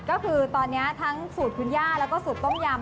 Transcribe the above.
ก็คือตอนนี้ทั้งสูตรคุณย่าแล้วก็สูตรต้มยำ